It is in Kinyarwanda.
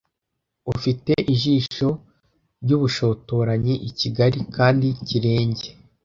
ufite ijisho ry'ubushotoranyi ikigali kandi kirenge